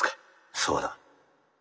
そうだ。